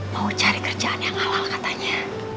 mau cari kerjaan yang halal katanya